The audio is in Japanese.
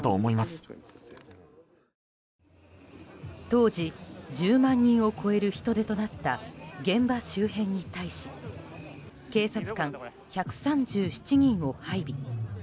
当時１０万人を超える人出となった現場周辺に対し警察官１３７人を配備。